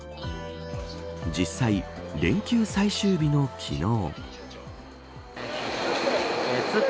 実際、連休最終日の昨日。